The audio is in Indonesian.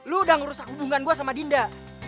lu udah ngerusak hubungan gue sama dinda